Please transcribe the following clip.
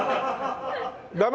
ダメ？